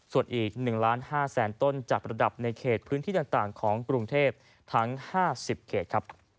ส่วนอีก๑๕๐๐๐๐๐ต้นจากระดับในเขตพื้นที่ต่างของกรุงเทพทั้ง๕๐เกต